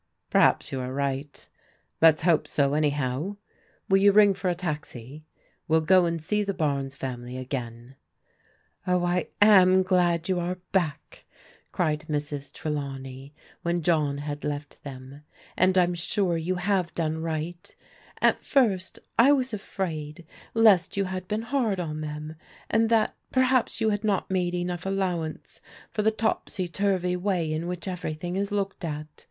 " Perhaps you are right. Let's hope so anyhow. Will you ring for a taxi ? We'll go and see the Bames family again." " Oh, I am glad you are back," cried Mrs. Trelawney when John had left them, " and I'm sure you have done right. At first I was afraid lest you had been hard on them, and that perhaps you had not made enough allow ance for the topsy turvy way in which everything is looked at.